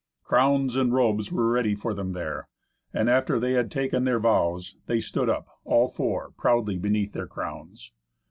Crowns and robes were ready for them there; and after they had taken their vows, they stood up, all four, proudly beneath their crowns.